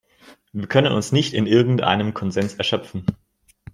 Wir können uns nicht in irgendeinem Konsens erschöpfen.